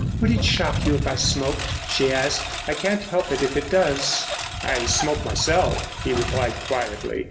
"Would it shock you if I smoked?" she asked. "I can't help it if it does." "I smoke myself," he replied quietly.